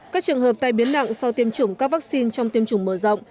các trường hợp tai biến nặng sau tiêm chủng các vaccine trong tiêm chủng mở rộng